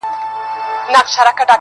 د مظلوم چیغي چا نه سوای اورېدلای٫